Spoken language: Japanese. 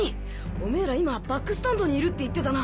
オメーら今バックスタンドにいるって言ってたな？